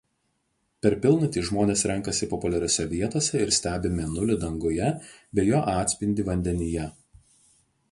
Per pilnatį žmonės renkasi populiariose vietose ir stebi mėnulį danguje bei jo atspindį vandenyje.